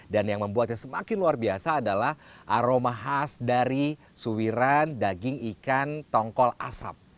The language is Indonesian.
dan yang membuatnya semakin luar biasa adalah aroma khas dari suwiran daging ikan tongkol asap